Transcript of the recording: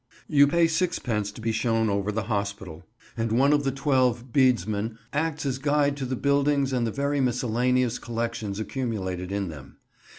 You pay sixpence to be shown over the Hospital, and one of the twelve bedesmen acts as guide to the buildings and the very miscellaneous collections accumulated in them.